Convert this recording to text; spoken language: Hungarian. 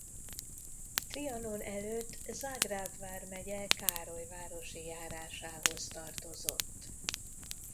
Trianon előtt Zágráb vármegye Károlyvárosi járásához tartozott.